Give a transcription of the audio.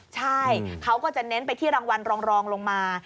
ใช่เขาก็จะเน้นไปที่รางวัลรองลงมา